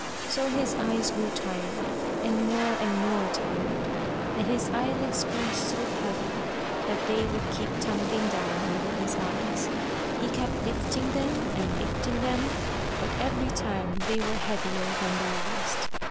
So his eyes grew tired, and more and more tired, and his eyelids grew so heavy that they would keep tumbling down over his eyes. He kept lifting them and lifting them, but every time they were heavier than the last.